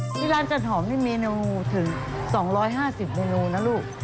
ที่ร้านจันหอมนี่เมนูถึง๒๕๐เมนูนะลูก